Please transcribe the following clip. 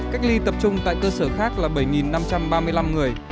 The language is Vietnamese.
cách ly tập trung tại cơ sở khác là bảy năm trăm ba mươi năm người